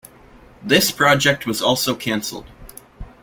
This project was also cancelled.